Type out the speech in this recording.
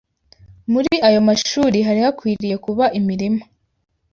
Muri ayo mashuri hari hakwiriye kuba imirima